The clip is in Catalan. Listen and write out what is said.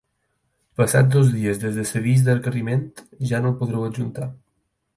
Passats dos dies des de l'avís de requeriment, ja no el podreu adjuntar.